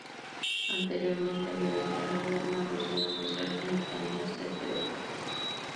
Anteriormente, había declarado no haber sido, no ser ni planear ser pedófilo.